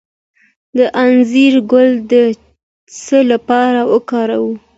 د انځر ګل د څه لپاره وکاروم؟